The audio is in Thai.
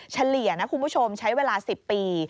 เฉลี่ยนะคุณผู้ชมใช้เวลา๑๐ปี